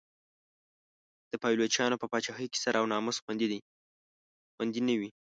د پایلوچانو په پاچاهۍ کې سر او ناموس خوندي نه و.